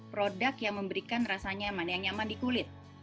produk yang memberikan rasa nyaman yang nyaman di kulit